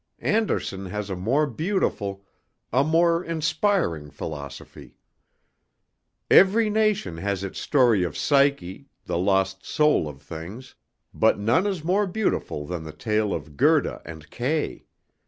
Andersen has a more beautiful, a more inspiring philosophy. Every nation has its story of Psyche, the lost soul of things, but none is more beautiful than the tale of Gerda and Kay.